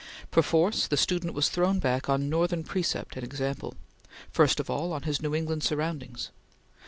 Perforce, the student was thrown back on Northern precept and example; first of all, on his New England surroundings.